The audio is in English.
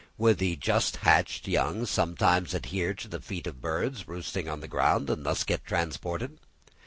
Would the just hatched young sometimes adhere to the feet of birds roosting on the ground and thus get transported?